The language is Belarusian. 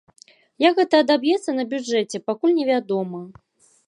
Як гэта адаб'ецца на бюджэце, пакуль невядома.